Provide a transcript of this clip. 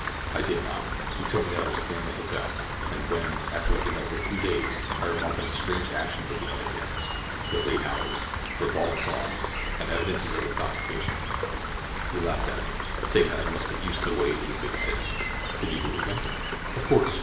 "I did not. He told me that it was a family hotel, and when, after we had been there a few days, I remarked on the strange actions of the other guests—their late hours, ribald songs, and evidences of intoxication, he laughed at me, saying that I must get used to the ways of a big city." "Did you believe him?" "Of course.